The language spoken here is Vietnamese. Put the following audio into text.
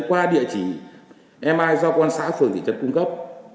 qua địa chỉ mi do công an xã phường thị trấn cung cấp